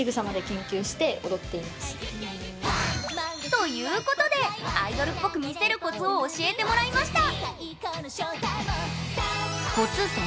ということでアイドルっぽく見せるコツを教えてもらいました。